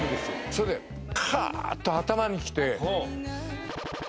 それでカーッと頭にきて。